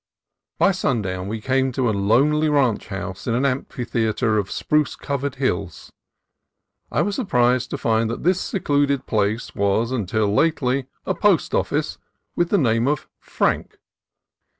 By sundown we came to a lonely ranch house in an amphitheatre of spruce covered hills. I was sur prised to find that this secluded place was until lately a post office, with the name of Frank.